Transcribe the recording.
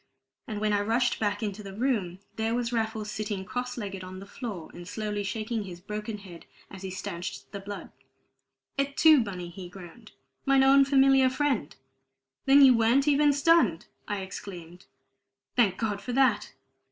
And when I rushed back into the room, there was Raffles sitting cross legged on the floor, and slowly shaking his broken head as he stanched the blood. "Et tu, Bunny!" he groaned. "Mine own familiar friend!" "Then you weren't even stunned!" I exclaimed. "Thank God for that!"